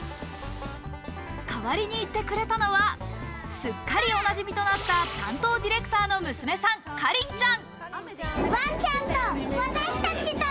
代わりに行ってくれたのは、すっかりおなじみとなった担当ディレクターの娘さん・かりんちゃん。